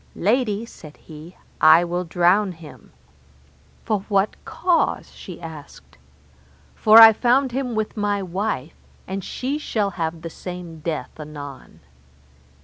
Lady, said he, I will drown him. For what cause? she asked. For I found him with my wife, and she shall have the same death anon.